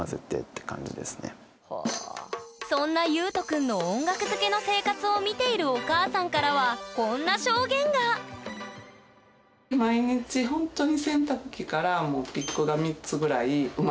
そんなユウト君の音楽漬けの生活を見ているお母さんからはこんな証言がそうだね。